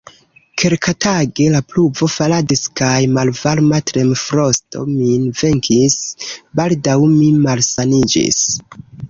Kelkatage, la pluvo faladis kaj malvarma tremfrosto min venkis; baldaŭ mi malsaniĝis.